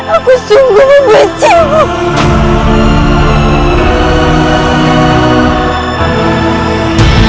aku sungguh membencimu